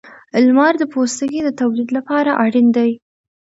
• لمر د پوستکي د تولید لپاره اړین دی.